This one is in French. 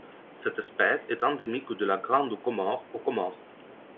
Cette espèce est endémique de la Grande Comore aux Comores.